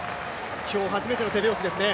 今日、初めての手拍子ですね。